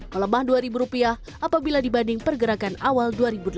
melemah rp dua apabila dibanding pergerakan awal dua ribu delapan belas